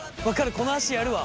この足やるわ。